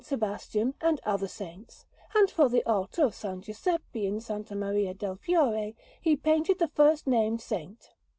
Sebastian, and other saints; and for the altar of S. Giuseppe, in S. Maria del Fiore, he painted the first named saint.